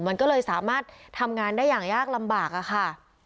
มันก็เลยสามารถทำงานได้อย่างยากลำบากอะค่ะ